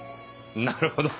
なるほど。